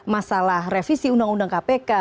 masalah revisi undang undang kpk